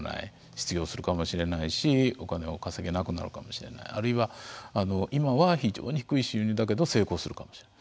失業するかもしれないしお金を稼げなくなるかもしれないあるいは、今は非常に低い収入だけど、成功するかもしれない。